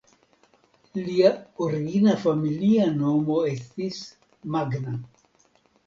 Lia origina familia nomo estis "Magna".